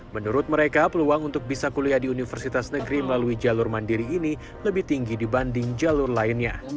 menurut mereka peluang untuk bisa kuliah di universitas negeri melalui jalur mandiri ini lebih tinggi dibanding jalur lainnya